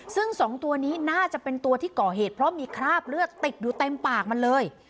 ซึ่งสองตัวนี้น่าจะเป็นตัวที่ก่อเหตุเพราะมีคราบเลือดติดอยู่เต็มปากมันเลย